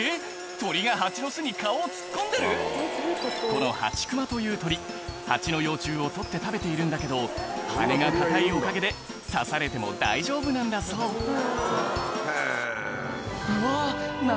鳥が蜂の巣に顔を突っ込んでる⁉このハチクマという鳥蜂の幼虫を取って食べているんだけど羽根が硬いおかげで刺されても大丈夫なんだそううわ何？